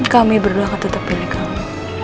kami berdua akan tetap beli kamu